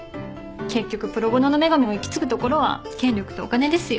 結局プロボノの女神も行きつくところは権力とお金ですよ。